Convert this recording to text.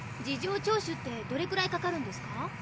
事情聴取ってどれくらいかかるんですか？